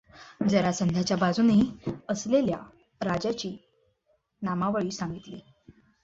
जरासंधाच्या बाजूने असलेल्या राजांची नामावळी सांगितली.